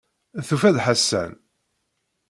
Tufa-d Ḥasan.